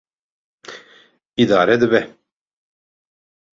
Îdare dibe.